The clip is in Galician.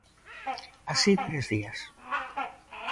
Así tres días.